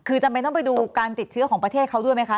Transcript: คือจำเป็นต้องไปดูการติดเชื้อของประเทศเขาด้วยไหมคะ